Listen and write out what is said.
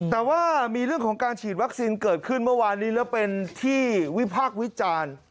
แต่ว่ามีเรื่องของการฉีดวัคซีนเกิดขึ้นเมื่อวานนี้แล้วเป็นที่วิพากษ์วิจารณ์